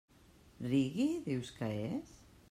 Reggae, dius que és?